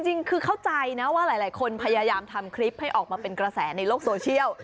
จริงคือเข้าใจนะว่าหลายคนพยายามทำคลิปให้ออกมาเป็นกระแสในโลกโซเชียล